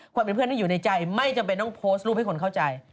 ความเป็นเพื่อนอยู่ในใจไม่จำเป็นต้องโพสรูปให้คนเข้าใจ